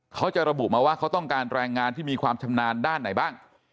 เขาจะระบุมาว่าเขาต้องการแรงงานที่มีความชำนาญด้านไหนบ้าง